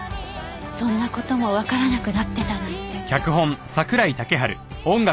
そんな事もわからなくなってたなんて。